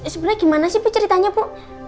sebenernya gimana sih ceritanya bu